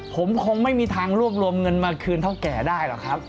ผมคงไม่มีทางรวบรวมเงินมาคืนเท่าแก่ได้หรอกครับ